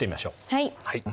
はい。